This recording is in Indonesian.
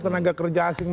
tenaga kerja asing